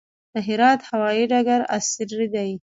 د هرات هوايي ډګر عصري دی